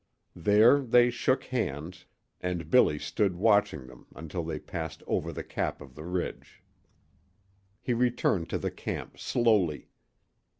There they shook hands, and Billy stood watching them until they passed over the cap of the ridge. He returned to the camp slowly.